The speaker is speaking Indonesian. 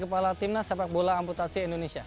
kami dari timnas sepak bola amputasi indonesia